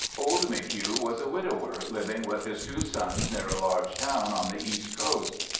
Old M'Hugh was a widower living with his two sons near a large town on the east coast.